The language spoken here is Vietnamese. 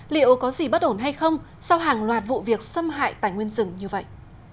liệu có gì bất ổn hay không sau hàng loạt vụ việc xâm hại tài nguyên rừng như vậy